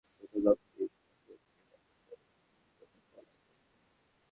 প্রথম লক্ষ্য দুই দেশের সীমান্তবর্তী জেলাগুলোর প্রশাসনের মধ্যে নিবিড় বোঝাপড়া গড়ে তোলা।